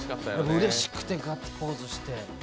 うれしくてガッツポーズして。